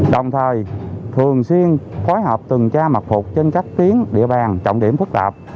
đồng thời thường xuyên phối hợp từng cha mặt phục trên các tiến địa bàn trọng điểm phức tạp